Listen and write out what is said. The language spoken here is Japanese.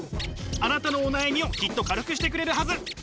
あなたのお悩みをきっと軽くしてくれるはず。